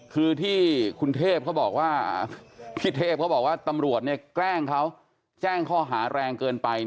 คือที่พี่เทพเขาบอกว่าตำรวจแกล้งเขาแจ้งข้อหาแรงเกินไป